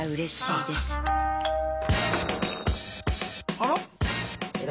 あら？